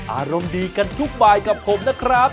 อารมณ์ดีกันทุกบายกับผมนะครับ